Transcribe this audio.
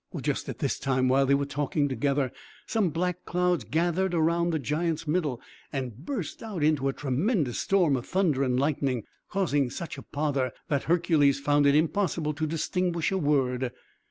Just at this time, while they were talking together, some black clouds gathered about the giant's middle, and burst into a tremendous storm of thunder and lightning, causing such a pother that Hercules found it impossible to distinguish a word.